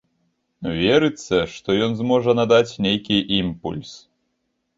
Верыцца, што ён зможа надаць нейкі імпульс.